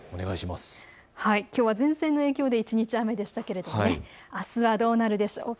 きょうは前線の影響で一日雨でしたがあすはどうなるでしょうか。